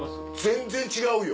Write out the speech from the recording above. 全然違うよ。